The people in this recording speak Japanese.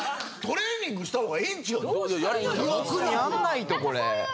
記憶力やんないとこれ。